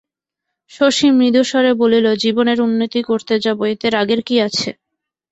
শশী মৃদুস্বরে বলিল, জীবনের উন্নতি করতে যাব, এতে রাগের কী আছে?